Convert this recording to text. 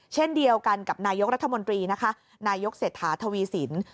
เช่นเดียวกันกับนายกรัฐมนตรีนะคะนายกเศรษฐาทวีสิน